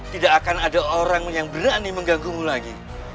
tidak akan ada orang yang berani mengganggumu lagi